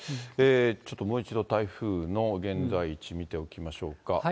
ちょっともう一度、台風の現在地見ておきましょうか。